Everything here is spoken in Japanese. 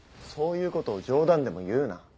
そういうことを冗談でも言うな。